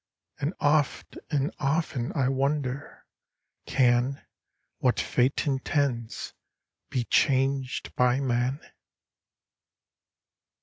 And oft and often I wonder, Can What Fate intends be changed by man?